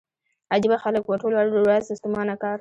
عجيبه خلک وو ټوله ورځ ستومانه کار.